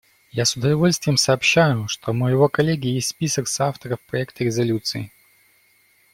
Я с удовольствием сообщаю, что у моего коллеги есть список соавторов проекта резолюции.